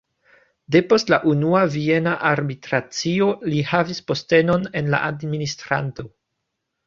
Depost la Unua Viena Arbitracio li havis postenon en la administrado.